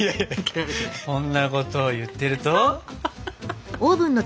そんなことを言ってると。